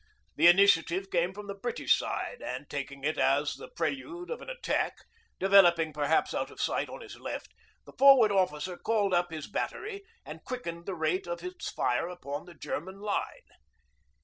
The initiative came from the British side, and, taking it as the prelude of an attack, developing perhaps out of sight on his left, the Forward Officer called up his Battery and quickened the rate of its fire upon the German line.